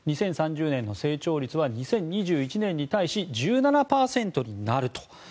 ２０３０年の成長率は２０２１年に対し１７％になると。